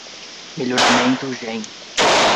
Melhoramento gen